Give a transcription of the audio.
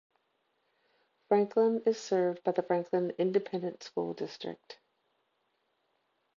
Franklin is served by the Franklin Independent School District.